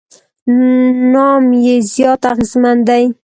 نام یې زیات اغېزمن دی.